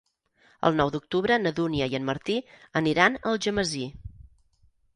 El nou d'octubre na Dúnia i en Martí aniran a Algemesí.